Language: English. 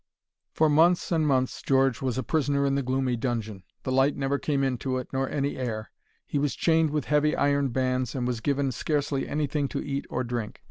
For months and months George was a prisoner in the gloomy dungeon. The light never came into it, nor any air. He was chained with heavy iron bands, and was given scarcely anything to eat or to drink.